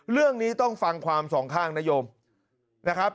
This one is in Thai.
เรื่องนี้ต้องฟังความสองข้างนโยมนะครับ